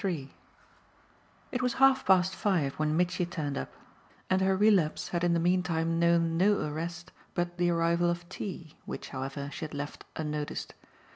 III It was half past five when Mitchy turned up; and her relapse had in the mean time known no arrest but the arrival of tea, which, however, she had left unnoticed.